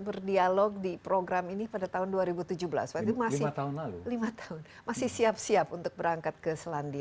berdialog di program ini pada tahun dua ribu tujuh belas waktu masih lima tahun masih siap siap untuk berangkat ke selandia